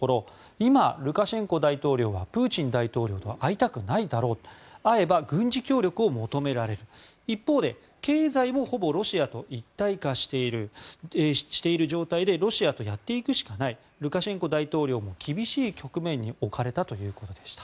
今、ルカシェンコ大統領はプーチン大統領と会いたくないだろう会えば軍事協力を求められる一方で経済も、ほぼロシアと一体化している状態でロシアとやっていくしかないルカシェンコ大統領も厳しい局面に置かれたということでした。